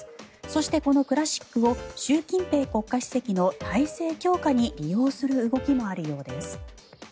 そして、このクラシックを習近平国家主席の体制強化に利用する動きもあるようです。